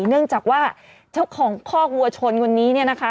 เนื่องจากว่าเจ้าของคอกวัวชนคนนี้เนี่ยนะคะ